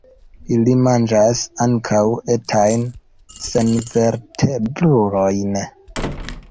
Ili manĝas ankaŭ etajn senvertebrulojn.